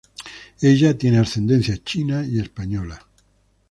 Ella tiene ascendencia china y española.